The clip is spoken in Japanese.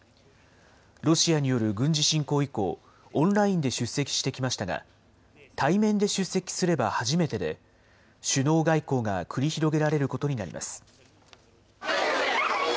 ロシアによる軍事侵攻以降、オンラインで出席してきましたが、対面で出席すれば初めてで、首脳外交が繰り広げられることになります。